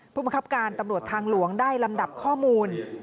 ผู้บังคับการตำรวจทางหลวงได้ลำดับข้อมูล